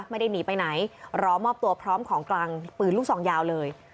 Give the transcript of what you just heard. ไม่ได้หนีไปไหนรอมอบตัวพร้อมของกลางปืนลูกซองยาวเลย